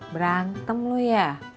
berantem lu ya